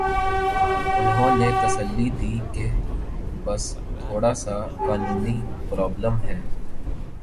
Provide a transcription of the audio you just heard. انہوں نے تسلی دی کہ بس تھوڑا سا قانونی پرابلم ہے۔